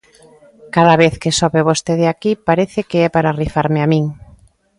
Cada vez que sobe vostede aquí parece que é para rifarme a min.